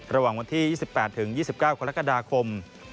ระหว่างวันที่๒๘๒๙คนละกระดาคม